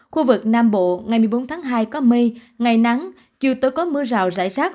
khu vực nam bộ ngày một mươi bốn tháng hai có mây ngày nắng chiều tối có mưa rào rải rác